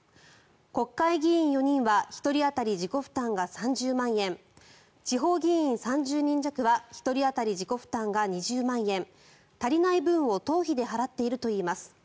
国会議員４人は１人当たり自己負担が３０万円地方議員３０人弱は１人当たり自己負担が２０万円足りない分を党費で払っているといいます。